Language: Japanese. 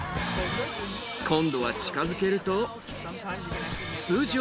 今度は近づけると。